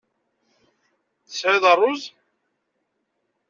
Tesɛiḍ ṛṛuz?